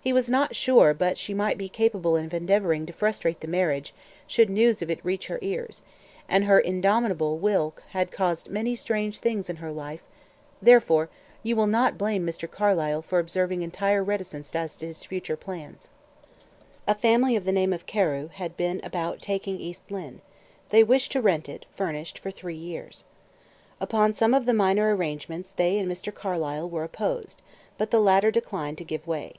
He was not sure but she might be capable of endeavoring to frustrate the marriage should news of it reach her ears, and her indomitable will had caused many strange things in her life; therefore, you will not blame Mr. Carlyle for observing entire reticence as to his future plans. A family of the name of Carew had been about taking East Lynne; they wished to rent it, furnished, for three years. Upon some of the minor arrangements they and Mr. Carlyle were opposed, but the latter declined to give way.